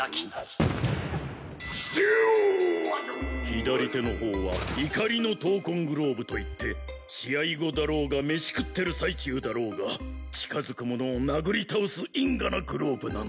左手の方は怒りの闘魂グローブといって試合後だろうが飯食ってる最中だろうが近づく者を殴り倒す因果なグローブなのです。